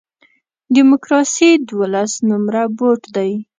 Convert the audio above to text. ډیموکراسي دولس نمره بوټ دی.